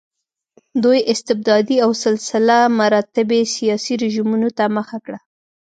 دوی استبدادي او سلسله مراتبي سیاسي رژیمونو ته مخه کړه.